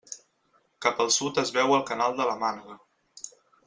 Cap al sud es veu el canal de la Mànega.